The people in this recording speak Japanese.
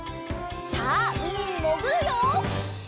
さあうみにもぐるよ！